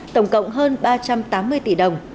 tổng cộng hơn ba trăm tám mươi tỷ đồng